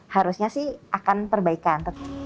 harusnya sih akan perbaikan